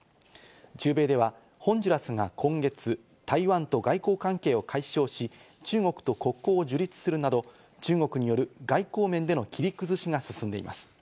中米ではホンジュラスが今月、台湾と外交関係を解消し、中国と国交を樹立するなど中国による外交面での切り崩しが進んでいます。